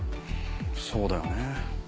そうだよね。